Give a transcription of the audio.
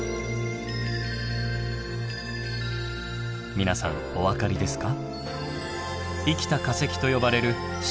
皆さんお分かりですか？